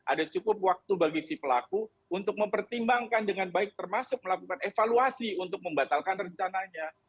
ada cukup waktu bagi si pelaku untuk mempertimbangkan dengan baik termasuk melakukan evaluasi untuk membatalkan rencananya